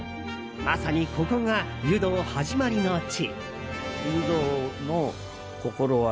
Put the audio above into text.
まさにここが「湯道」始まりの地。